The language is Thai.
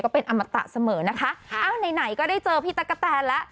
ก็เป็นอมัตตะเสมอนะคะอ้าวไหนก็ได้เจอพี่ตะกะแตนละ